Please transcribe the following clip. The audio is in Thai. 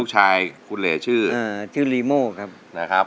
ชื่อลีโมครับ